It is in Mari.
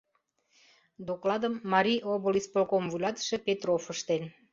Докладым Марий облисполком вуйлатыше Петров ыштен.